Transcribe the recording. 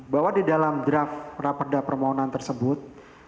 bahwa di dalam draft raperda permohonan tersebut